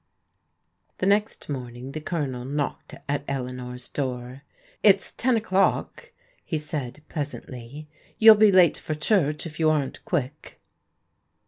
The next morning the Colonel knocked at Eleanor's door. " It's ten o'clock," he said pleasantly ;" you'll be late for church if you aren't quick."